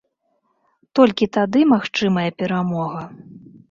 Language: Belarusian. Толькі тады магчымая перамога.